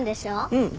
うん。